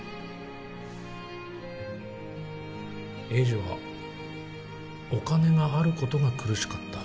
栄治はお金があることが苦しかった。